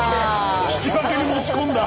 引き分けに持ち込んだ！